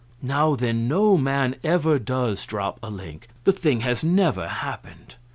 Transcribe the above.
Now, then, no man ever does drop a link the thing has never happened!